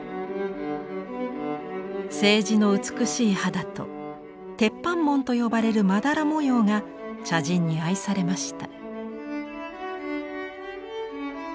青磁の美しい肌と鉄斑紋と呼ばれるまだら模様が茶人に愛されました。